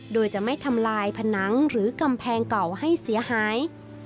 โดยจะไม่ทำลายผนังหรือกำแพงเก่าให้เสียหาย